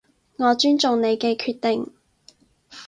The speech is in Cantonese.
我尊重你嘅決定